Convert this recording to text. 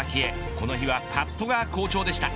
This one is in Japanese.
この日はパットが好調でした。